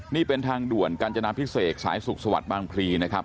นี่เป็นทางด่วนกัญจนาพิเศษสายสุขสวัสดิ์บางพลีนะครับ